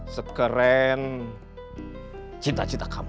sekeren cinta cinta kamu